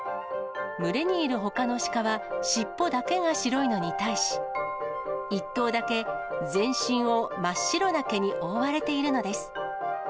群れにいるほかのシカは、尻尾だけが白いのに対し、１頭だけ全身を真っ白な毛に覆われているのです。